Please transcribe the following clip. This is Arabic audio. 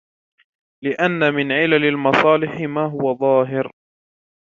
لِأَنَّ مِنْ عِلَلِ الْمَصَالِحِ مَا هُوَ ظَاهِرٌ